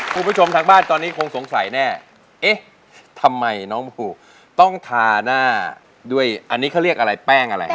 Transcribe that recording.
คุณผู้ชมทางบ้านตอนนี้คงสงสัยแน่เอ๊ะทำไมน้องบูต้องทาหน้าด้วยอันนี้เขาเรียกอะไรแป้งอะไร